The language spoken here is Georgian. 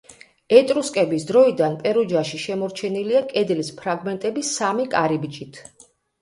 ეტრუსკების დროიდან პერუჯაში შემორჩენილია კედლის ფრაგმენტები სამი კარიბჭით.